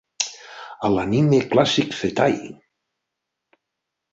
A l'Anime Classics Zettai!